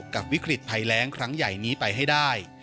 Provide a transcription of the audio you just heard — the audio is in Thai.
กับวิกฤตภัยแรงครั้งใหญ่นี้ไปให้ได้